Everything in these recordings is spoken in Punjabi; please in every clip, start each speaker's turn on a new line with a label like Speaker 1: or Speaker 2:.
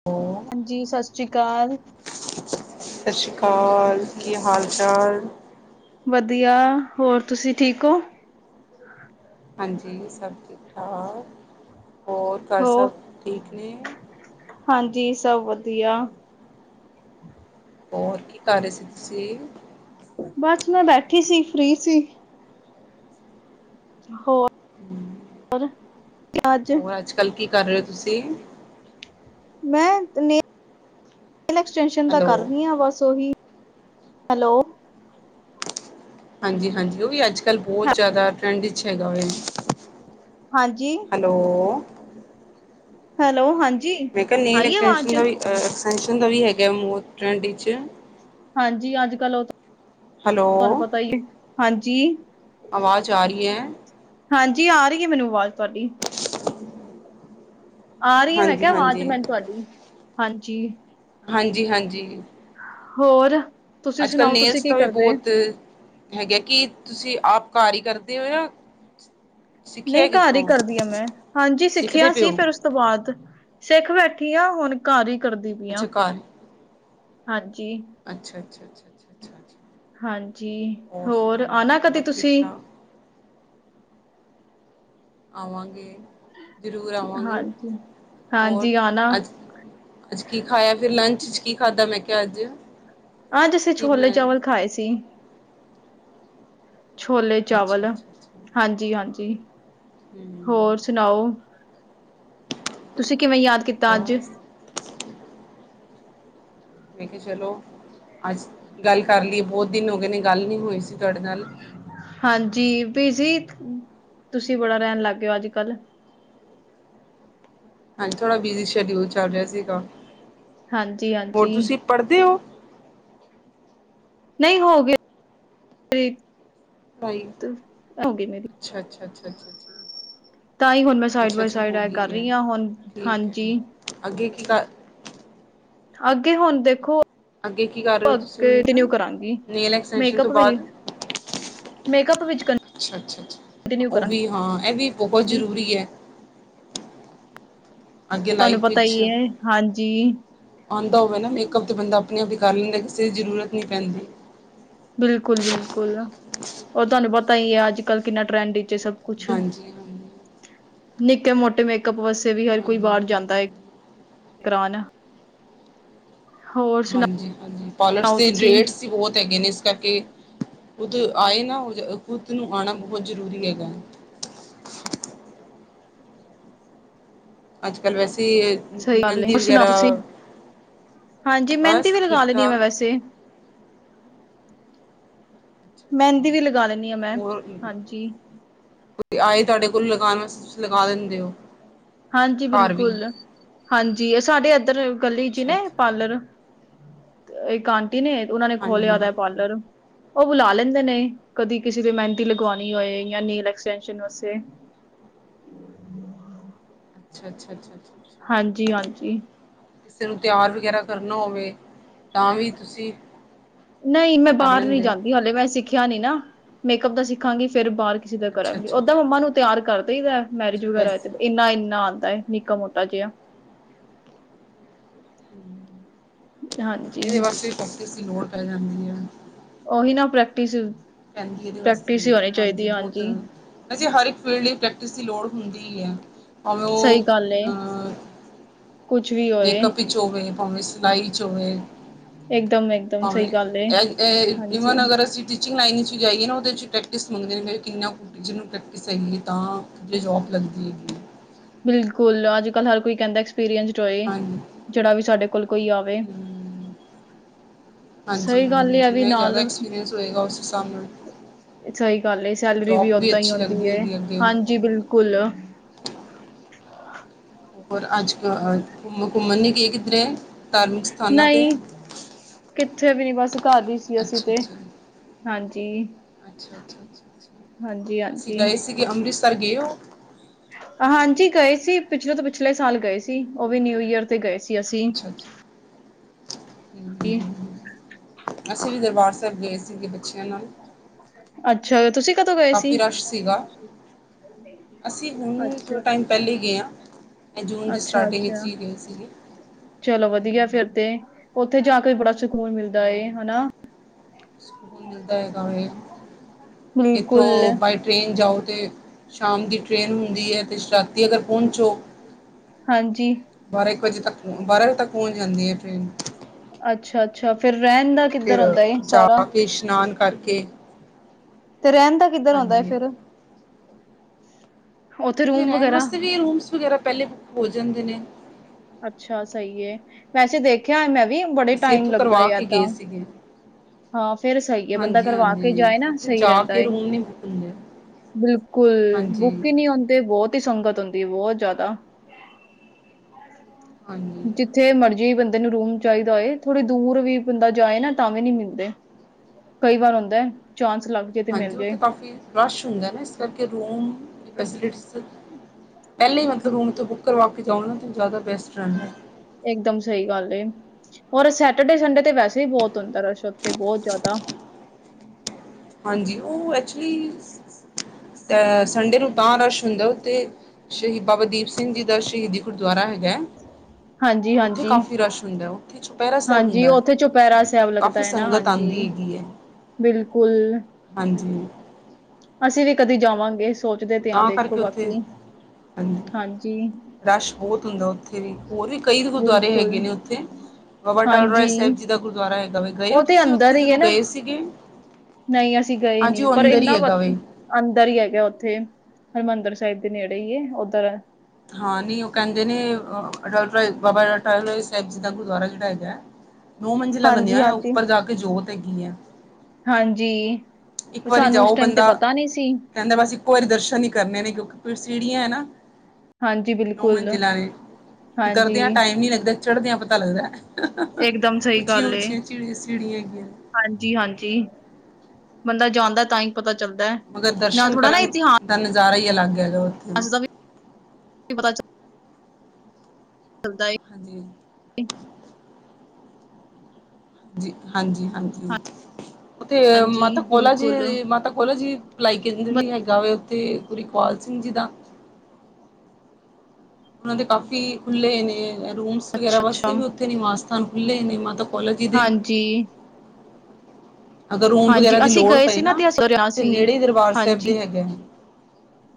Speaker 1: [unintelligible] [unintelligible]
Speaker 2: ਹਾਂਜੀ, ਸਤਿ ਸ੍ਰੀ ਅਕਾਲ।
Speaker 1: ਸਤਿ ਸ੍ਰੀ ਅਕਾਲ, ਕੀ ਹਾਲ- ਚਾਲ?
Speaker 2: ਵਧੀਆ, ਹੋਰ ਤੁਸੀ ਠੀਕ ਹੋ?
Speaker 1: ਹਾਂਜੀ, ਸਬ ਠੀਕ- ਠਾਕ, ਹੋਰ ਘਰ ਸਬ
Speaker 2: ਹੋਰ
Speaker 1: ਠੀਕ ਨੇ?
Speaker 2: ਹਾਂਜੀ, ਸਬ ਵਧੀਆ।
Speaker 1: ਹੋਰ, ਕੀ ਕਰ ਰਹੇ ਸੀ ਤੂਸੀ?
Speaker 2: ਬਸ ਮੈਂ ਬੈਠੀ ਸੀ, ਫ੍ਰੀ ਸੀ। ਹੋਰ
Speaker 1: ਹੋਰ ਅੱਜ ਕੱਲ ਕੀ ਕਰ ਰਹੇ ਹੋ ਤੂਸੀ?
Speaker 2: ਮੈਂ, ਨੇ [inaudible] ਐਕਸਟੇਨਸ਼ਨ ਦਾ
Speaker 1: ਹੈਲੋ
Speaker 2: ਕਾਰੀ ਆਂ ਬਸ ਓਹੀ। ਹੈਲੋ
Speaker 1: ਹਾਂਜੀ, ਹਾਂਜੀ ਓ ਵੀ ਅੱਜ ਕੱਲ ਬਹੁਤ ਜਿਆਦਾ ਟੈ੍ਂਡ ਚ ਹੈਗਾ ਏ।
Speaker 2: ਹਾਂਜੀ।
Speaker 1: ਹੈਲੋ
Speaker 2: ਹੈਲੋ, ਹਾਂਜੀ।
Speaker 1: ਮੈਂ ਕੇਆ ਨੇਲ
Speaker 2: ਆਈ
Speaker 1: ਐਕਟੈਂਸ਼ਨ
Speaker 2: ਆਵਾਜ਼
Speaker 1: ਦਾ ਵੀ ਐਕਸੇਨਸ਼ਨ ਦਾ ਵੀ ਹੈਗਾ ਬੋਤ ਟੈ੍ਂਡ ਇਚ।
Speaker 2: ਹਾਂਜੀ, ਅੱਜ ਕੱਲ ਓ [unintelligible]
Speaker 1: ਹੈਲੋ
Speaker 2: ਤੁਆਨੂ ਪਤਾਈ ਏ, ਹਾਂਜੀ
Speaker 1: ਆਵਾਜ ਆਰੀ ਐ?
Speaker 2: ਹਾਂਜੀ, ਆਰੀ ਏ ਮੈਨੂ ਅਵਾਜ਼ ਤੁਆਡੀ। ਆਰੀ ਏ
Speaker 1: ਹਾਂਜੀ
Speaker 2: ਮੈਕੇਆ ਅਵਾਜ
Speaker 1: ਹਾਂਜੀ
Speaker 2: ਮੈਨ ਤੂਆਡੀ, ਹਾਂਜੀ
Speaker 1: ਹਾਂਜੀ- ਹਾਂਜੀ।
Speaker 2: ਹੋਰ। ਤੁਸੀਂ
Speaker 1: ਅੱਜ ਕੱਲ
Speaker 2: ਸੁਣਾਓ ਤੁਸੀਂ
Speaker 1: ਨੇਲਸ
Speaker 2: ਕੀ
Speaker 1: ਦਾ ਵੀ
Speaker 2: ਕਰਦੇ
Speaker 1: ਬੋਤ ਹੈਗਾ ਕੀ, ਤੂਸੀ ਆਪ ਘਾਰ ਈ ਕਰਦੇ ਓ ਯਾ
Speaker 2: ਨਈ ਘਰ ਈ ਕਰਦੀ ਆ ਮੈਂ, ਹਾਂਜੀ
Speaker 1: ਸਿੱਖਦੇ
Speaker 2: ਸਿੱਖਆ
Speaker 1: ਪਏ
Speaker 2: ਸੀ
Speaker 1: ਹੋ
Speaker 2: ਫਿਰ ਉਸ ਤੋ ਬਾਦ, ਸਿਖ ਬੈਠੀ ਆਂ ਹੁਣ ਘਾਰ ਈ ਕਰਦੀ ਬੀਆਂ।
Speaker 1: ਅੱਛਾ ਘਰ
Speaker 2: ਹਾਂਜੀ।
Speaker 1: ਅੱਛਾ- ਅੱਛਾ [unintelligible]
Speaker 2: ਹਾਂਜੀ, ਹੋਰ
Speaker 1: ਸੁਣਾਓ
Speaker 2: ਆਨਾ ਕਦੇ
Speaker 1: ਸਭ ਠੀਕ
Speaker 2: ਤੂਸੀ।
Speaker 1: ਠਾਕ ਆਵਾਂਗੇ, ਜਰੂਰ ਆਵਾਂਗੇ,
Speaker 2: ਹਾਂਜੀ
Speaker 1: ਔਰ,
Speaker 2: ਹਾਂਜੀ ਆਣਾ
Speaker 1: ਅੱਜ ਅੱਜ ਕੀ ਖਾਯਾ ਫਿਰ, ਲੰਚ ਚ ਕੀ ਖਾਦਾ ਮੈਂ ਕੇਆ ਅੱਜ?
Speaker 2: ਆਜ ਅਸੀ
Speaker 1: ਕੀ ਬਣਾਇਆ
Speaker 2: ਛੋਲੇ-ਚਾਵਲ ਖਾਏ ਸੀ। ਛੋਲੇ
Speaker 1: ਅੱਛਾ
Speaker 2: -ਚਾਵਲ,
Speaker 1: ਅੱਛਾ ਅੱਛਾ
Speaker 2: ਹਾਂਜੀ-ਹਾਂਜੀ।
Speaker 1: [inaudible]
Speaker 2: ਹੋਰ ਸੁਨਾਓ, ਤੂਸੀ ਕਿਵੇਂ ਯਾਦ ਕੀ
Speaker 1: [unintelligible] ਮੈਂ ਕੇਆ ਚਲੋ, ਅੱਜ਼ ਗੱਲ ਕਰ ਲੀਏ ਬੋਤ ਦਿਨ ਹੋਗੇ ਨੇ ਗੱਲ ਨੀ ਹੋਈ ਸੀ ਤੂਆਡੇ ਨਾਲ।
Speaker 2: ਹਾਂਜੀ, ਬੀਜੀ਼, ਤੁਸੀ ਬੜਾ ਰੇਨ ਲਗ ਗਏ ਔ ਅੱਜ ਕਲ।
Speaker 1: ਹਾਂਜੀ, ਥੋੜਾ ਬੀਜ਼ੀ ਸੈ਼ਡਊਲ ਚਲ ਰਿਆ ਸੀਗਾ।
Speaker 2: ਹਾਂਜੀ-ਹਾਂਜੀ।
Speaker 1: ਪੜਦੇ ਓ?
Speaker 2: ਨਈ ਹੋਗੀ [inaudible]
Speaker 1: [unintelligible] ਛਾ-ਛਾ, ਛਾ- ਛਾ
Speaker 2: ਤਾਂਈ ਹੁਨ ਮੈਂ ਸਾਈਡ ਬਾਏ ਸਾਈਡ ਐ ਕਰ ਰੀਆ ਹੁਨ,
Speaker 1: ਠੀਕ ਹੈ
Speaker 2: ਹਾਂਜੀ।
Speaker 1: ਅੱਗੇ ਕੀ ਕ?
Speaker 2: ਅੱਗੇ ਹੁਨ ਦੇਖੋ।
Speaker 1: ਅੱਗੇ ਕੀ ਕਰ ਰਹੇ ਹੋ ਤੁਸੀਂ
Speaker 2: ਅਗੇ
Speaker 1: ਹੁਣ
Speaker 2: ਰਿਨਿਊ ਕਰਾਂਗੀ
Speaker 1: ਨੇਲ ਐਕਸਟੈਂਸ਼ਨ ਤੋਂ
Speaker 2: ਮੇਕਅਪ
Speaker 1: ਬਾਅਦ
Speaker 2: ਵੀ ਮੇਕਅੱਪ ਵਿੱਚ ਕਨੰ
Speaker 1: ਅੱਛਾ-ਅੱਛਾ, ਅੱਛਾ ਉਹ ਵੀ ਹਾਂ, ਇਹ ਵੀ ਬਹੁਤ ਜ਼ਰੂਰੀ ਹੈ। ਅੱਗੇ
Speaker 2: ਤੁਹਾਨੂੰ
Speaker 1: ਲਾਈਫ
Speaker 2: ਪਤਾ
Speaker 1: ਵਿੱਚ
Speaker 2: ਈ ਏ, ਹਾਂਜੀ।
Speaker 1: ਆਉਂਦਾ ਹੋਵੇ ਨਾ ਮੇਕਅਪ ਤੇ ਬੰਦਾ ਆਪਣੇ ਆਪ ਵੀ ਕਰ ਲੈਂਦਾ, ਕਿਸੇ ਦੀ ਜ਼ਰੂਰਤ ਨਹੀਂ ਪੈਂਦੀ।
Speaker 2: ਬਿਲਕੁਲ -ਬਿਲਕੁਲ ਉਹ ਤੁਹਾਨੂੰ ਪਤਾ ਹੀ ਹੈ ਅੱਜ ਕੱਲ ਕਿੰਨਾ ਟਰੈਂਡ ਵਿੱਚ ਏ ਸਭ ਕੁਛ
Speaker 1: ਹਾਂਜੀ ਹਾਂਜੀ
Speaker 2: ਨਿੱਕੇ -ਮੋਟੇ ਮੇਕਅੱਪ ਵਾਸੇ ਵੀ ਹਰ ਕੋਈ
Speaker 1: ਹਾਂਜੀ
Speaker 2: ਬਾਹਰ ਜਾਂਦਾ ਏ।
Speaker 1: ਹਾਂਜੀ
Speaker 2: ਕਰਾਨ।
Speaker 1: ਹਾਂਜੀ-ਹਾਂਜੀ, ਪਾਰਲਰਸ ਦੇ
Speaker 2: ਤੁਸੀਂ
Speaker 1: ਰੇਟਸ ਹੀ ਬਹੁਤ ਹੈਗੇ ਨੇ ਇਸ ਕਰਕੇ ਖੁਦ ਆਏ ਨਾ, ਹੋ ਖੁੱਦ ਨੂੰ ਆਉਣਾ ਬਹੁਤ ਜ਼ਰੂਰੀ ਹੈਗਾ। ਅੱਜ ਕੱਲ੍ਹ ਵੈਸੇ ਈ ਏ
Speaker 2: ਸਹੀ ਗੱਲ ਹੈ
Speaker 1: ਮੈਂਦੀ
Speaker 2: ਹੋਰ ਸੁਣਾਓ ਤੁਸੀਂ
Speaker 1: ਵਗੈਰਾ, ਬਸ ਠੀਕ-ਠਾਕ।
Speaker 2: ਅਸੇ ਮਹਿੰਦੀ ਵੀ ਲਗਾ ਲੈਂਨੀ ਆ ਮੈਂ ਹਾਂਜੀ।
Speaker 1: ਜੇ ਆਏ ਤੁਹਾਡੇ ਕੋਲ ਲਗਾਨ ਵਸਤੇ ਤੁਸੀਂ ਲਗਾ ਦਿੰਦੇ ਹੋ।
Speaker 2: ਹਾਂਜੀ,
Speaker 1: ਘਰ ਵੀ
Speaker 2: ਬਿਲਕੁਲ ਹਾਂਜੀ, ਸਾਡੇ ਇੱਧਰ ਗਲੀ ਜੀ
Speaker 1: ਅੱਛਾ
Speaker 2: ਨੇ
Speaker 1: ਅੱਛਾ
Speaker 2: ਪਾਰਲਰ। ਇੱਕ ਆਂਟੀ ਨੇ ਉਹਨਾਂ ਨੇ
Speaker 1: ਹਾਂਜੀ
Speaker 2: ਖੋਲਿਆ ਦਾ ਏ ਪਾਰਲਰ। ਉਹ ਬੁਲਾ ਲੈਂਦੇ ਨੇ ਕਦੀ ਕਿਸੇ ਦੇ ਮਹਿੰਦੀ ਲਗਵਾਉਣੀ ਹੋਏ ਜਾਂ ਨੈਲ ਐਕਸਟੈਨਸ਼ਨ ਵਾਸਤੇ।
Speaker 1: ਅੱਛਾ -ਅੱਛਾ, ਅੱਛਾ-ਅੱਛਾ, ਛਾ।
Speaker 2: ਹਾਂਜੀ ਹਾਂਜੀ,
Speaker 1: ਕਿਸੇ ਨੂੰ ਤਿਆਰ ਵਗੈਰਾ ਕਰਨਾ ਹੋਵੇ। ਤਾਂ ਵੀ ਤੁਸੀਂ
Speaker 2: ਨਹੀਂ, ਮੈਂ
Speaker 1: ਕਰ
Speaker 2: ਬਾਹਰ ਨੀ
Speaker 1: ਲੈਂਦੇ ਹੋ
Speaker 2: ਜਾਂਦੀ ਹਲੇ ਵੈਸੇ ਸਿੱਖਿਆ ਨੀ ਨਾ ਮੇਕਅਪ ਦਾ ਸਿੱਖਾਂਗੀ ਫੇਰ ਬਾਹਰ ਕਿਸੇ ਦਾ
Speaker 1: ਅੱਛਾ
Speaker 2: ਕਰਾਂਗੇ
Speaker 1: ਅੱਛਾ
Speaker 2: ਓਦਾਂ
Speaker 1: ਅੱਛਾ
Speaker 2: ਮੰਮਾ ਨੂੰ ਤਿਆਰ ਕਰਦਾ ਦਈ ਦਾ ਮੈਰਿਜ
Speaker 1: ਅੱਛਾ
Speaker 2: ਵਗੈਰਾ
Speaker 1: ਬਸ
Speaker 2: ਤੇ। ਇੰਨਾ ਇੰਨਾ ਆਂਦਾ ਏ ਨਿੱਕਾ ਮੋਟਾ ਜਿਹਾ ਹਾਂਜੀ
Speaker 1: ਇਹਦੇ ਵਾਸਤੇ ਵੀ ਪ੍ਰੇਕਟਿਸ ਦੀ ਲੋੜ ਪੈ ਜਾਂਦੀ ਐ।
Speaker 2: ਉਹੀ ਨਾ ਪ੍ਰੈਕਟਿਸ
Speaker 1: ਪੈਂਦੀ ਆ ਇਹਦੇ
Speaker 2: ਪ੍ਰੈਕਟਿਸ
Speaker 1: ਵਾਸਤੇ
Speaker 2: ਹੀ ਹੋਣੀ
Speaker 1: ਹਾਂਜੀ
Speaker 2: ਚਾਹੀਦੀ ਹੈ
Speaker 1: ਬਹੁਤ ਵੈਸੇ ਹਰ ਇੱਕ ਫੀਲਡ ਲਈ ਪ੍ਰੈਕਟਿਸ ਦੀ ਲੋੜ ਹੁੰਦੀ ਈ ਐ।
Speaker 2: ਸਹੀ ਗੱਲ ਕੁਛ ਵੀ ਹੋਏ।
Speaker 1: ਮੇਕਅਪ ਵਿੱਚ ਹੋਵੇ ਭਾਵੇਂ ਸਿਲਾਈ ਚ ਹੋਵੇ
Speaker 2: ਇੱਕਦਮ ਇੱਕਦਮ ਸਹੀ
Speaker 1: ਭਾਵੇਂ
Speaker 2: ਗੱਲ ਏ ਹਾਂਜੀ
Speaker 1: ਇਵਨ ਅਗਰ ਅਸੀ ਟੀਚਿੰਗ ਲਾਈਨ 'ਚ ਜਾਈਏ ਨੇ ਉਹਦੇ 'ਚ ਪ੍ਰੈਕਟਿਸ ਮੰਗਦੇ ਨੇ ਫਿਰ ਕਿੰਨਾ ਟੀਚਰ ਨੂੰ ਪ੍ਰੈਕਟਿਸ ਹੈਗੀ ਤਾਂ ਜੇ ਜੋਬ ਲੱਗਦੀ ਹੈਗੀ।
Speaker 2: ਬਿਲਕੁਲ ਅੱਜ ਕੱਲ ਹਰ ਕੋਈ ਕਹਿੰਦਾ ਐਕਸਪੀਰੀਐਂਸ ਹੋਏ
Speaker 1: ਹਾਂਜੀ
Speaker 2: ਜਿਹੜਾ ਵੀ ਸਾਡੇ ਕੋਲ ਕੋਈ ਆਵੇ।
Speaker 1: ਹੂੰ ਹਾਂਜੀ
Speaker 2: ਸਹੀ ਗੱਲ ਐ
Speaker 1: ਹਾਂਜੀ
Speaker 2: ਆ ਵੀ
Speaker 1: ਜਿੰਨਾ ਹੀ ਜ਼ਿਆਦਾ
Speaker 2: ਨਾਲ।
Speaker 1: ਐਕਸਪੀਰੀਅੰਸ ਹੋਏਗਾ ਉਸ
Speaker 2: ਸਹੀ ਗੱਲ ਐ ਸੈਲਰੀ ਵੀ
Speaker 1: ਜੋਬ
Speaker 2: ਓਦਾਂ ਹੀ
Speaker 1: ਅੱਛੀ
Speaker 2: ਆਉਂਦੀ
Speaker 1: ਲੱਗਦੀ
Speaker 2: ਐ
Speaker 1: ਹੈਗੀ ਅੱਗੇ
Speaker 2: ਹਾਂਜੀ ਬਿਲਕੁਲ।
Speaker 1: ਔਰ ਅੱਜ ਕ ਘੁੰ ਘੁੰਮਣ ਨੀ ਗਏ ਕਿੱਧਰੇ। ਧਾਰਮਿਕ ਸਥਾਨਾਂ 'ਤੇ।
Speaker 2: ਨਹੀਂ, ਕਿੱਥੇ ਵੀ ਨੀ ਬਸ ਘਰ ਹੀ ਸੀ ਅਸੀਂ
Speaker 1: ਅੱਛਾ
Speaker 2: ਤੇ
Speaker 1: ਅੱਛਾ
Speaker 2: ਹਾਂਜੀ।
Speaker 1: ਅੱਛਾ ਅੱਛਾ
Speaker 2: ਹਾਂਜੀ ਹਾਂਜੀ।
Speaker 1: ਤੁਸੀਂ ਅੰਮ੍ਰਿਤਸਰ ਗਏ ਓ।
Speaker 2: ਹਾਂਜੀ ਗਏ ਸੀ ਪਿਛਲੇ ਤੋਂ ਪਿਛਲੇ ਸਾਲ ਗਏ ਸੀ ਉਹ ਵੀ ਨਿਊ
Speaker 1: ਅੱਛਾ
Speaker 2: ਈਅਰ ਤੇ ਗਏ ਸੀ ਅਸੀਂ।
Speaker 1: ਅੱਛਾ। ਹਮ, ਹਮ, ਹਮ,
Speaker 2: [unintelligible]
Speaker 1: ਹਮ। ਅਸੀਂ ਵੀ ਦਰਬਾਰ ਸਾਹਿਬ ਗਏ ਸੀਗੇ ਬੱਚਿਆਂ ਨਾਲ।
Speaker 2: ਅੱਛਾ ਤੁਸੀਂ ਕਦੋਂ ਗਏ
Speaker 1: ਕਾਫੀ
Speaker 2: ਸੀ?
Speaker 1: ਰਸ਼ ਸੀਗਾ
Speaker 2: ਅੱਛਾ,
Speaker 1: ਥੋੜਾ ਟਾਈਮ ਪਹਿਲੇ ਹੀ ਗਏ ਆ। ਇਹ ਜੂਨ ਦੀ
Speaker 2: ਅੱਛਾ
Speaker 1: ਸਟਾਰਟਿੰਗ
Speaker 2: ਅੱਛਾ,
Speaker 1: ਵਿੱਚ ਸੀਗੇ
Speaker 2: ਚਲੋ ਵਧੀਆ ਫੇਰ ਤੇ ਉੱਥੇ ਜਾ ਕੇ ਵੀ ਬੜਾ ਸਕੂਨ ਮਿਲਦਾ ਹਨਾ।
Speaker 1: ਮਿਲਦਾ ਹੈਗਾ ਵੈ ਇੱਥੋਂ
Speaker 2: ਬਿਲਕੁਲ।
Speaker 1: ਬਾਈ, ਟ੍ਰੇਨ ਜਾਓ ਤੇ ਸ਼ਾਮ ਦੀ ਟ੍ਰੇਨ ਹੁੰਦੀ ਐ ਤੇ ਰਾਤੀ ਅਗਰ ਪਹੁੰਚੋ।
Speaker 2: ਹਾਂਜੀ,
Speaker 1: ਬਾਰਾਂ ਇੱਕ ਵਜੇ ਤੱਕ ਬਾਰਾਂ ਵਜੇ ਤੱਕ ਪਹੁੰਚ ਜਾਂਦੀ ਐ ਟ੍ਰੇਨ।
Speaker 2: ਅੱਛਾ ਅੱਛਾ, ਫੇਰ ਰਹਿਣ ਦਾ। ਕਿੱਧਰ
Speaker 1: ਫਿਰ
Speaker 2: ਹੁੰਦਾ ਏ
Speaker 1: ਜਾ
Speaker 2: ਸਾਰਾ?
Speaker 1: ਕੇ ਇਸ਼ਨਾਨ ਕਰਕੇ
Speaker 2: ਤੇ ਰਹਿਣ ਦਾ ਕਿੱਧਰ ਹੁੰਦਾ
Speaker 1: ਹਾਂਜੀ
Speaker 2: ਫਿਰ।
Speaker 1: ਉੱਥੇ
Speaker 2: ਰੂਮ
Speaker 1: ਰਹਿਣ
Speaker 2: ਵਗੈਰਾ,
Speaker 1: ਵਾਸਤੇ ਵੀ ਰੂਮਸ ਵਗੈਰਾ ਪਹਿਲੇ ਬੁੱਕ ਹੋ ਜਾਂਦੇ ਨੇ।
Speaker 2: ਅੱਛਾ ਸਹੀ ਐ ਵੈਸੇ ਦੇਖਿਆ ਮੈਂ ਵੀ ਬੜੇ
Speaker 1: ਅਸੀਂ
Speaker 2: ਟਾਈਮ
Speaker 1: ਇੱਥੋਂ
Speaker 2: ਲੱਗਦਾ
Speaker 1: ਕਰਵਾ
Speaker 2: ਏ
Speaker 1: ਕੇ
Speaker 2: ਏਦਾਂ।
Speaker 1: ਗਏ ਸੀਗੇ
Speaker 2: ਹਾਂ ਫੇਰ ਸਹੀ ਐ ਬੰਦਾ ਕਰਵਾ
Speaker 1: ਹਾਂਜੀ-ਹਾਂਜੀ
Speaker 2: ਕੇ ਜਾਏ ਨਾ
Speaker 1: ਉੱਥੇ
Speaker 2: ਸਹੀ
Speaker 1: ਜਾ
Speaker 2: ਰਹਿੰਦਾ
Speaker 1: ਕੇ
Speaker 2: ਏ।
Speaker 1: ਰੂਮ ਨਹੀਂ ਬੁੱਕ ਹੁੰਦੇ
Speaker 2: ਬਿਲਕੁਲ
Speaker 1: ਹਾਂਜੀ।
Speaker 2: ਬੁੱਕ ਹੀ ਨੀ ਹੁੰਂਦੇ ਬਹੁਤ ਹੀ ਸੰਗਤ ਹੁੰਦੀ ਐ ਬਹੁਤ ਜ਼ਿਆਦਾ।
Speaker 1: ਹਾਂਜੀ,
Speaker 2: ਜਿੱ ਜਿੱਥੇ ਮਰਜ਼ੀ ਬੰਦੇ ਨੂੰ ਰੂਮ ਚਾਹੀਦਾ ਹੋਏ ਥੋੜ੍ਹੀ ਦੂਰ ਵੀ ਬੰਦਾ ਜਾਏ ਨਾ ਤਾਂ ਵੀ ਨੀ ਮਿਲਦੇ। ਕਈ ਵਾਰ ਹੁੰਦਾ ਚਾਂਸ ਲੱਗਦਾ
Speaker 1: ਹਾਂਜੀ, ਉੱਥੇ ਕਾਫੀ ਰਸ਼ ਹੁੰਦਾ ਨਾ ਇਸ ਕਰਕੇ ਰੂਮ ਫੈਸਿਲਿਟੀਜ਼ ਪਹਿਲਾਂ ਹੀ ਮਤਲਬ ਰੂਮ ਤੋਂ ਬੁੱਕ ਕਰਵਾ ਕੇ ਜਾਓ ਨਾ ਤਾਂ ਜ਼ਿਆਦਾ ਬੈਸਟ ਰਹਿੰਦਾ।
Speaker 2: ਇਕਦਮ ਸਹੀ ਗੱਲ ਏ। ਹੋਰ ਸੈਟਰਡੇ ਸੰਡੇ ਤੇ ਵੈਸੇ ਹੀ ਬਹੁਤ ਹੁੰਦਾ ਰਸ਼ ਉੱਥੇ ਬਹੁਤ ਜ਼ਿਆਦਾ।
Speaker 1: ਹਾਂਜੀ ਉਹ ਐਕਚੁਲੀ ਅ ਸੰਡੇ ਨੂੰ ਤਾਂ ਰਸ਼ ਹੁੰਦਾ ਉਥੇ ਸ਼ਹੀਦ ਬਾਬਾ ਦੀਪ ਸਿੰਘ ਜੀ ਦਾ ਸ਼ਹੀਦੀ ਗੁਰਦੁਆਰਾ ਹੈਗਾ ਐ।
Speaker 2: ਹਾਂਜੀ,
Speaker 1: ਉੱਥੇ
Speaker 2: ਹਾਂਜੀ।
Speaker 1: ਕਾਫੀ ਰਸ਼ ਹੁੰਦਾ ਉਹ।
Speaker 2: ਹਾਂਜੀ ਉੱਥੇ ਚੁਪੈਰਾ ਸਾਹਿਬ
Speaker 1: ਕਾਫ਼ੀ
Speaker 2: ਲੱਗਦਾ ਹੈ ਨਾ
Speaker 1: ਸੰਗਤ
Speaker 2: ਹਾਂਜੀ
Speaker 1: ਆਉਂਦੀ ਹੈਗੀ ਹੈ
Speaker 2: ਬਿਲਕੁਲ।
Speaker 1: ਹਾਂਜੀ।
Speaker 2: ਅਸੀਂ ਵੀ ਕਦੀ ਜਾਵਾਂਗੇ ਸੋਚਦੇ ਤੇ ਆ
Speaker 1: ਤਾਂ
Speaker 2: ਦੇਖੋ
Speaker 1: ਕਰਕੇ ਉੱਥੇ
Speaker 2: ਬਾਕੀ ਹਾਂਜੀ।
Speaker 1: ਰਸ਼ ਬਹੁਤ ਹੁੰਦਾ ਉੱਥੇ ਵੀ ਹੋਰ ਵੀ ਕਈ ਗੁਰਦੁਆਰੇ
Speaker 2: ਬਿਲਕੁਲ।
Speaker 1: ਹੈਗੇ ਨੇ ਉੱਥੇ ਬਾਬਾ ਟੱਲ ਰਾਏ
Speaker 2: ਹਾਂਜੀ,
Speaker 1: ਸਾਹਿਬ ਜੀ ਦਾ ਗੁਰਦੁਆਰਾ ਹੈਗਾ ਵੇ। ਗਏ ਹੋ
Speaker 2: ਉਹ ਤੇ
Speaker 1: ਤੁਸੀਂ ਉੱਥੇ
Speaker 2: ਅੰਦਰ ਹੀ ਹੈ
Speaker 1: ਜਦੋਂ
Speaker 2: ਨਾ
Speaker 1: ਗਏ ਸੀਗੇ
Speaker 2: ਨਹੀਂ ਅਸੀਂ ਗਏ
Speaker 1: ਹਾਂਜੀ
Speaker 2: ਨਹੀਂ
Speaker 1: ਉਹ
Speaker 2: ਪਰ
Speaker 1: ਅੰਦਰ ਹੀ
Speaker 2: ਇੰਨਾ
Speaker 1: ਹੈਗਾ
Speaker 2: ਵਧ
Speaker 1: ਵੇ
Speaker 2: ਅੰਦਰ ਹੀ ਹੈਗਾ ਉੱਥੇ ਹਰਿਮੰਦਰ ਸਾਹਿਬ ਦੇ ਨੇੜੇ ਹੀ ਹੈ ਉੱਧਰ।
Speaker 1: ਹਾਂ ਨਹੀਂ ਉਹ ਕਹਿੰਦੇ ਨੇ [unintelligible] ਬਾਬਾ ਟੱਲ ਸਾਹਿਬ ਜੀ ਦਾ ਗੁਰਦੁਆਰਾ ਜਿਹੜਾ ਹੈਗਾ ਐ। ਨੌ ਮੰਜ਼ਿਲਾ
Speaker 2: ਹਾਂਜੀ,
Speaker 1: ਬਣਿਆ
Speaker 2: ਹਾਂਜੀ।
Speaker 1: ਉੱਪਰ ਜਾ ਕੇ ਜੋਤ ਹੈਗੀ ਹੈ।
Speaker 2: ਹਾਂਜੀ ਉਹ ਸਾਨੂੰ ਉਸ ਟਾਈਮ ਤੇ ਪਤਾ ਨਹੀਂ ਸੀ।
Speaker 1: ਕਹਿੰਦੇ ਬਸ ਇੱਕੋ ਵਾਰੀ ਦਰਸ਼ਨ ਹੀ ਕਰਨੇ ਨੇ ਕਿਉਂਕਿ ਸੀੜੀਆ ਹੈ ਨਾ।
Speaker 2: ਹਾਂਜੀ
Speaker 1: ਨੌ
Speaker 2: ਬਿਲਕੁਲ।
Speaker 1: ਮੰਜ਼ਿਲਾ ਨੇ ਉਤਰਦਿਆਂ
Speaker 2: ਹਾਂਜੀ।
Speaker 1: ਟਾਈਮ ਨਹੀਂ ਲੱਗਦਾ ਚੜਦਿਆਂ ਪਤਾ ਲੱਗਦਾ ਐ।
Speaker 2: ਇਕਦਮ ਸਹੀ
Speaker 1: ਉੱਚੀਆਂ
Speaker 2: ਗੱਲ ਏ
Speaker 1: ਉੱਚੀਆਂ ਸੀੜੀਆਂ ਹੈਗੀਆਂ।
Speaker 2: ਹਾਂਜੀ ਹਾਂਜੀ ਬੰਦਾ ਜਾਂਦਾ ਤਾਂ ਹੀ ਪਤਾ ਚੱਲਦਾ ਐ।
Speaker 1: ਮਗਰ ਦਰਸ਼ਨ ਕਰਨ ਦਾ ਨਜ਼ਾਰਾ ਹੀ ਅਲੱਗ ਹੈਗਾ ਉਥੇ।
Speaker 2: ਅੱਜ ਦਾ ਵੀ ਪਤਾ [unintelligible]
Speaker 1: ਹਾਂਜੀ।
Speaker 2: ਹੈ
Speaker 1: ਜੀ ਹਾਂਜੀ ਹਾਂਜੀ ਉਥੇ
Speaker 2: ਹਾਂਜੀ
Speaker 1: ਮਾਤਾ ਕੋਲਾ ਜੀ
Speaker 2: ਬਿਲਕੁਲ
Speaker 1: ਮਾਤਾ ਕੋਲਾ ਜੀ ਭਲਾਈ ਕੇਂਦਰ ਵੀ ਹੈਗਾ ਵ ਉੱਥੇ ਗੁਰ ਇਕਬਾਲ ਸਿੰਘ ਜੀ ਦਾ। ਉਹਨਾਂ ਦੇ ਕਾਫੀ ਖੁੱਲੇ ਨੇ। ਰੂਮਸ ਵਗੈਰਾ
Speaker 2: ਅੱਛਾ ਅੱਛਾ
Speaker 1: ਵਾਸਤੇ ਵੀ ਉੱਥੇ ਨਿਵਾਸ ਸਥਾਨ ਖੁੱਲ੍ਹੇ ਨੇ ਮਤਲਬ।
Speaker 2: ਹਾਂਜੀ।
Speaker 1: ਅਗਰ ਰੂਮ
Speaker 2: ਹਾਂਜੀ
Speaker 1: ਵਗੈਰਾ ਦੀ
Speaker 2: ਅਸੀਂ
Speaker 1: ਲੋੜ
Speaker 2: ਗਏ
Speaker 1: ਪਏ
Speaker 2: ਸੀ ਨਾ ਤੇ [unintelligible]
Speaker 1: ਤੇ
Speaker 2: ਸੀ
Speaker 1: ਨੇੜੇ ਦਰਬਾਰ ਸਾਹਿਬ
Speaker 2: ਹਾਂਜੀ।
Speaker 1: ਦੇ ਹੈਗੇ ਹਾਂ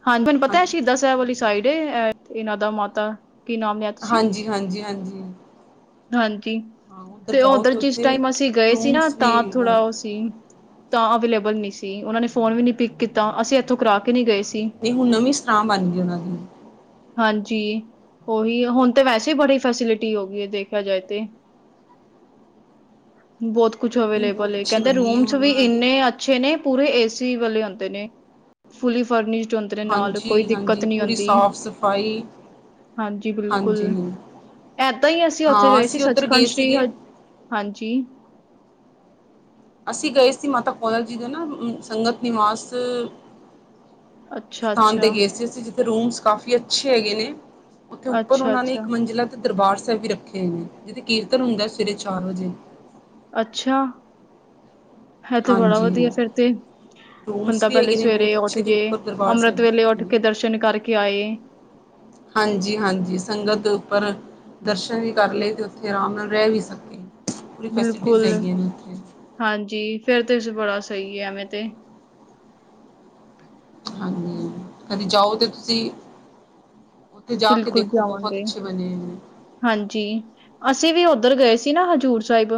Speaker 2: ਹਾਂਜੀ ਤੁਹਾਨੂੰ ਪਤਾ ਹੈ ਸ਼ਹੀਦ ਸਾਹਿਬ ਵਾਲੀ ਸਾਈਡ ਇਹਨਾਂ ਦਾ ਮਾਤਾ ਕੀ ਨਾਮ ਲਿਆ ਤੁਸੀਂ
Speaker 1: ਹਾਂਜੀ ਹਾਂਜੀ ਹਾਂਜੀ।
Speaker 2: ਹਾਂਜੀ
Speaker 1: ਹਾਂ
Speaker 2: ਤੇ
Speaker 1: ਜਾਓ
Speaker 2: ਉੱਧਰ ਜਿਸ
Speaker 1: ਉੱਥੇ
Speaker 2: ਟਾਈਮ ਅਸੀਂ ਗਏ ਸੀ ਨਾ
Speaker 1: ਰੂਮਸ ਵੀ
Speaker 2: ਤਾਂ ਥੋੜਾ ਉਹ
Speaker 1: ਨਹੀਂ
Speaker 2: ਸੀ। ਤਾਂ ਅਵੇਲੇਬਲ ਨਹੀਂ ਸੀ। ਉਹਨਾਂ ਨੇ ਫ਼ੋਨ ਵੀ ਨਹੀਂ ਪਿਕ ਕੀਤਾ। ਅਸੀਂ ਇੱਥੋਂ ਕਰਾ ਕੇ ਨਹੀਂ ਗਏ ਸੀ।
Speaker 1: ਨਹੀਂ, ਹੁਣ ਨਵੀਂ ਸਰਾਂ ਬਣ ਗਈ ਉਹਨਾਂ ਦੀ।
Speaker 2: ਹਾਂਜੀ, ਉਹੀ ਹੁਣ ਤਾਂ ਵੈਸੇ ਬੜੀ ਫੈਸਿਲਿਟੀ ਹੋ ਗਈ ਹੈ ਦੇਖ ਦੇਖਿਆ ਜਾਏ ਤੇ। ਬਹੁਤ ਕੁਛ
Speaker 1: ਨਹੀਂ
Speaker 2: ਅਵੇਲੇਬਲ
Speaker 1: ਬਹੁਤ
Speaker 2: ਐ।
Speaker 1: ਅੱਛੀ
Speaker 2: ਕਹਿੰਦੇ
Speaker 1: ਬਣੀ
Speaker 2: ਰੂਮਸ
Speaker 1: ਹੁਣ
Speaker 2: ਵੀ
Speaker 1: ਉਹਨਾਂ ਦੀ
Speaker 2: ਇੰਨੇ ਅੱਛੇ ਨੇ। ਪੂਰੇ ਏਸੀ ਵਾਲੇ ਆਉਂਦੇ ਨੇ। ਫੁੱਲੀ ਫਰਨਿਸ਼ਡ ਹੁੰਦੇ ਨੇ ਨਾਲ। ਕੋਈ
Speaker 1: ਹਾਂਜੀ
Speaker 2: ਦਿੱਕਤ
Speaker 1: ਹਾਂਜੀ
Speaker 2: ਨਹੀਂ
Speaker 1: ਪੂਰੀ
Speaker 2: ਆਉਂਦੀ।
Speaker 1: ਸਾਫ਼ ਸਫ਼ਾਈ
Speaker 2: ਹਾਂਜੀ ਬਿਲਕੁਲ।
Speaker 1: ਹਾਂਜੀ
Speaker 2: ਏਦਾਂ ਹੀ ਅਸੀਂ ਉੱਥੇ
Speaker 1: ਹਾਂ
Speaker 2: ਗਏ ਸੀ
Speaker 1: ਅਸੀਂ ਉੱਧਰ
Speaker 2: ਸੱਚਖੰਡ
Speaker 1: ਗਏ
Speaker 2: ਸ਼੍ਰੀ ਹ
Speaker 1: ਸੀਗੇ
Speaker 2: ਹਾਂਜੀ।
Speaker 1: ਅਸੀਂ ਗਏ ਸੀ ਮਾਤਾ ਕੌਲਾਂ ਜੀ ਦੇ ਨਾ ਸੰਗਤ ਨਿਵਾਸ
Speaker 2: ਅੱਛਾ,
Speaker 1: ਸਥਾਨ ਤੇ
Speaker 2: ਅੱਛਾ।
Speaker 1: ਗਏ ਸੀ। ਅਸੀਂ ਜਿੱਥੇ ਰੂਮਸ ਕਾਫੀ ਅੱਛੇ ਹੈਗੇ ਨੇ। ਉੱਥੇ ਉੱਪਰ
Speaker 2: ਅੱਛਾ,
Speaker 1: ਉਹਨਾਂ ਨੇ ਇੱਕ
Speaker 2: ਅੱਛਾ,
Speaker 1: ਮੰਜ਼ਿਲਾ ਤੇ ਦਰਬਾਰ ਸਾਹਿਬ ਵੀ ਰੱਖੇ ਹੋਏ ਨੇ। ਜਿੱਥੇ ਕੀਰਤਨ ਹੁੰਦਾ ਹੈ ਸਵੇਰੇ ਚਾਰ ਵਜੇ।
Speaker 2: ਅੱਛਾ। ਇਹ ਤੇ ਬੜਾ
Speaker 1: ਹਾਂਜੀ
Speaker 2: ਵਧੀਆ ਫਿਰ ਤੇ।
Speaker 1: ਰੂਮਸ
Speaker 2: ਬੰਦਾ
Speaker 1: ਵੀ
Speaker 2: ਪਹਿਲੇ
Speaker 1: ਹੈਗੇ ਨੇ
Speaker 2: ਸਵੇਰੇ
Speaker 1: ਬਹੁਤ
Speaker 2: ਉੱਠ
Speaker 1: ਅੱਛੇ ਦੇ
Speaker 2: ਜੇ।
Speaker 1: ਉੱਪਰ ਦਰਬਾਰ
Speaker 2: ਅੰਮ੍ਰਿਤ
Speaker 1: ਸਾਹਿਬ ਵੀ
Speaker 2: ਵੇਲੇ
Speaker 1: ਰੱਖੇ
Speaker 2: ਉੱਠ ਕੇ
Speaker 1: ਨੇ
Speaker 2: ਦਰਸ਼ਨ ਕਰਕੇ ਆਏ।
Speaker 1: ਹਾਂਜੀ ਹਾਂਜੀ। ਸੰਗਤ ਉੱਪਰ ਦਰਸ਼ਨ ਵੀ ਕਰ ਲਏ ਤੇ ਉੱਥੇ ਆਰਾਮ ਨਾਲ ਰਹਿ ਵੀ ਸਕੇ। ਪੂਰੀ ਫੈਸਿਲਿਟੀਜ਼
Speaker 2: ਬਿਲਕੁਲ।
Speaker 1: ਹੈਗੀਆਂ ਨੇ ਉੱਥੇ
Speaker 2: ਹਾਂਜੀ ਫੇਰ ਤੇ ਬੜਾ ਸਹੀ ਹੈ ਐਵੇਂ ਤੇ।
Speaker 1: ਹਾਂਜੀ। ਕਦੇ ਜਾਓ ਤੇ ਤੁਸੀਂ ਉੱਥੇ ਜਾ ਕੇ
Speaker 2: ਬਿਲਕੁਲ
Speaker 1: ਦੇਖੋ ਬਹੁਤ
Speaker 2: ਜਾਵਾਂਗੇ,
Speaker 1: ਅੱਛੇ ਬਣੇ ਨੇ।
Speaker 2: ਹਾਂਜੀ। ਅਸੀਂ ਵੀ ਉੱਧਰ ਗਏ ਸੀ ਨਾ ਹਜ਼ੂਰ ਸਾਹਿਬ।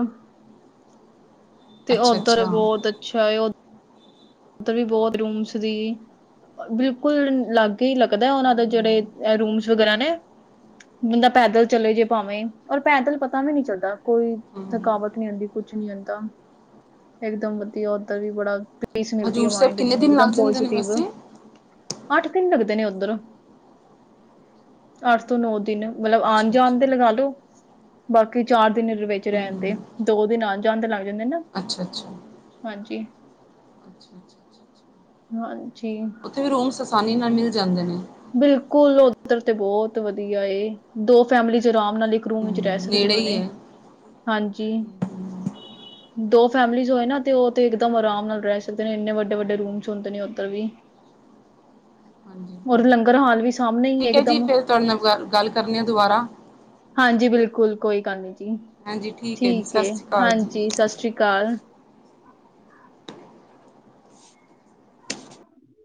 Speaker 2: ਤੇ ਓਧਰ
Speaker 1: ਅੱਛਾ-ਅੱਛਾ ਹੂੰ-ਹੂੰ।
Speaker 2: ਬਹੁਤ ਅੱਛਾ ਉਧਰ ਵੀ ਬਹੁਤ ਰੂਮਸ ਦੀ। ਬਿਲਕੁਲ ਅਲਗ ਹੀ ਲੱਗਦਾ ਉਹਨਾਂ ਦੇ ਜਿਹੜੇ ਰੂਮਸ ਵਗੈਰਾ ਨੇ ਬੰਦਾ ਪੈਦਲ ਚਲੇ ਜੇ ਭਾਵੇਂ ਔਰ ਪੈਦਲ ਪਤਾ ਵੀ ਨਹੀਂ ਚਲਦਾ ਕੋਈ ਥਕਾਵਟ ਨਹੀਂ ਆਉਂਦੀ ਕੁਛ ਨੀ ਆਉਂਦਾ ਇਕਦਮ ਵਧੀਆ ਉੱਧਰ ਵੀ ਬੜਾ ਪੀਸ ਮਿਲਦੀ
Speaker 1: ਹਜ਼ੂਰ
Speaker 2: ਹੈ
Speaker 1: ਸਾਹਿਬ ਕਿੰਨੇ ਦਿਨ ਲੱਗ
Speaker 2: ਇਕਦਮ
Speaker 1: ਜਾਂਦੇ ਨੇ
Speaker 2: ਪੌਸਟਿਵ
Speaker 1: ਵੈਸੇ
Speaker 2: ਅੱਠ ਦਿਨ ਲੱਗਦੇ ਨੇ ਉੱਧਰ ਅੱਠ ਤੋਂ ਨੋ ਦਿਨ ਮਤਲਬ ਆਉਣ ਜਾਣ
Speaker 1: ਅੱਛਾ-ਅੱਛਾ
Speaker 2: ਤੇ ਲਗਾ ਲਓ ਬਾਕੀ ਚਾਰ ਦਿਨ ਵਿੱਚ ਰਹਿਨ ਤੇ
Speaker 1: ਹੂੰ-ਹੂੰ
Speaker 2: ਦੋ ਦਿਨ ਆਨ ਜਾਨ ਤੇ ਲੱਗ ਜਾਂਦੇ
Speaker 1: ਅੱਛਾ ਅੱਛਾ
Speaker 2: ਹਾਂਜੀ।
Speaker 1: ਅੱਛਾ-ਅੱਛਾ।
Speaker 2: ਹਾਂਜੀ।
Speaker 1: ਉੱਥੇ ਵੀ ਰੂਮਸ ਆਸਾਨੀ ਨਾਲ ਮਿਲ ਜਾਂਦੇ ਨੇ
Speaker 2: ਬਿਲਕੁਲ ਉੱਧਰ ਤੇ ਬਹੁਤ ਵਧੀਆ ਏ ਦੋ ਫੈਮਲੀਜ਼ ਆਰਾਮ ਨਾਲ ਇੱਕ ਰੂਮ ਵਿੱਚ ਰਹਿ
Speaker 1: ਹੂੰ ਨੇੜੇ
Speaker 2: ਸਕਦੀਆਂ ਨੇ
Speaker 1: ਹੀ ਹੈ।
Speaker 2: ਹਾਂਜੀ
Speaker 1: ਹੂੰ [inaudible]
Speaker 2: ਦੋ ਫੈਮਲੀਜ਼ ਹੋਏ ਨਾ ਤੇ ਉਹ ਤੇ ਇੱਕਦਮ ਆਰਾਮ ਨਾਲ ਰਹਿ ਸਕਦੇ ਨੇ ਇੰਨੇ ਵੱਡੇ ਵੱਡੇ ਰੂਮਸ ਹੁੰਦੇ ਨੇ ਉੱਧਰ ਵੀ
Speaker 1: ਹਾਂਜੀ
Speaker 2: ਔਰ ਲੰਗਰ ਹਾਲ ਵੀ ਸਾਹਮਣੇ ਹੀ
Speaker 1: ਠੀਕ ਹੈ ਜੀ
Speaker 2: ਇਕਦਮ
Speaker 1: ਫਿਰ ਤੁਹਾਡੇ ਨਾਲ ਗੱਲ ਕਰਨੀ ਆ ਦੁਬਾਰਾ
Speaker 2: ਹਾਂਜੀ ਬਿਲਕੁਲ ਕੋਈ ਗੱਲ ਨੀ ਜੀ
Speaker 1: ਹਾਂਜੀ ਹੈ ਜੀ
Speaker 2: ਠੀਕ
Speaker 1: ਸਤਿ
Speaker 2: ਏ
Speaker 1: ਸ਼੍ਰੀ ਅਕਾਲ ਜੀ
Speaker 2: ਹਾਂਜੀ ਸ ਸਤਿ ਸ਼੍ਰੀ ਆਕਾਲ।